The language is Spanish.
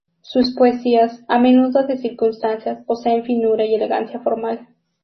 Sus poesías, a menudo de circunstancias, poseen finura y elegancia formal.